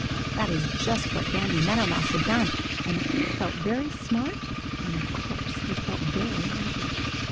That is just what Danny Meadow Mouse had done, and he felt very smart and of course he felt very happy.